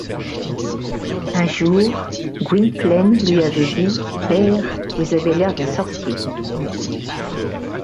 Un jour Gwynplaine lui avait dit: — Père, vous avez l’air d’un sorcier.